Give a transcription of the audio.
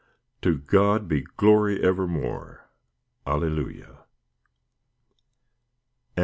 To God be glory evermore, Alleluia!